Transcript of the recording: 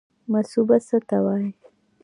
مصوبه څه ته وایي؟